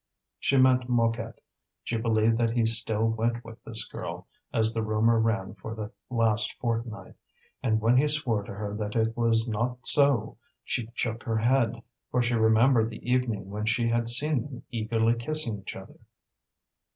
She meant Mouquette. She believed that he still went with this girl, as the rumour ran for the last fortnight; and when he swore to her that it was not so she shook her head, for she remembered the evening when she had seen them eagerly kissing each other.